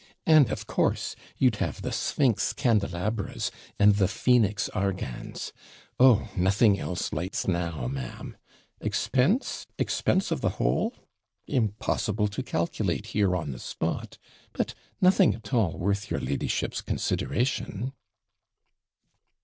And, of course, you'd have the SPHYNX CANDELABRAS, and the Phoenix argands. Oh! nothing else lights now, ma'am! Expense! Expense of the whole! Impossible to calculate here on the spot! but nothing at all worth your ladyship's consideration!'